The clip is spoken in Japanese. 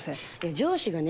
上司がね